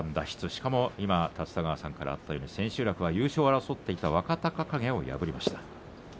しかも立田川さんからあったように千秋楽は優勝を争ってきた若隆景を破りました。